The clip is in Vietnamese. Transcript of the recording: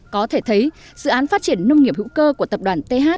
có thể thấy dự án phát triển nông nghiệp hữu cơ của tập đoàn th